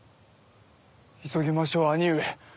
急ぎましょう兄上。